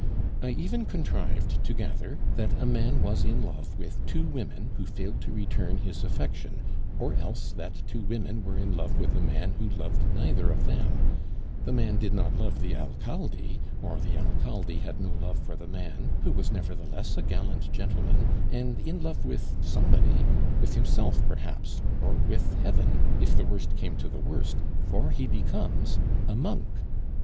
I even contrived to gather that a man was in love with two women who failed to return his affection, or else that two women were in love with a man who loved neither of them; the man did not love the Alcalde, or the Alcalde had no love for the man, who was nevertheless a gallant gentleman, and in love with somebody, with himself, perhaps, or with heaven, if the worst came to the worst, for he becomes a monk.